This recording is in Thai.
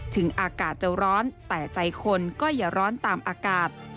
ถึงอากาศจะร้อนแต่ใจคนก็อย่าร้อนตามอากาศ